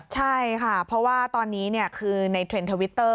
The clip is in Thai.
ใช่ค่ะเพราะว่าตอนนี้คือในเทรนด์ทวิตเตอร์